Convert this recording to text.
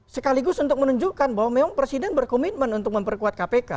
sekaligus untuk menunjukkan bahwa memang presiden berkomitmen untuk memperkuat kpk